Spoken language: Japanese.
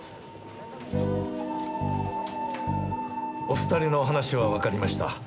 お２人のお話はわかりました。